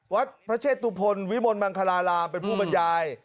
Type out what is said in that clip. วัดพระเชตุพลวิมลมังคลารามเป็นผู้บรรยาย